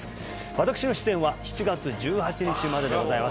私の出演は７月１８日まででございます